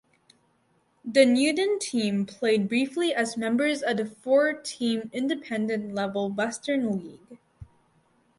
The Newton team played briefly as members of the four–team Independent level Western League.